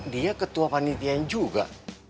dia ketua panitian juga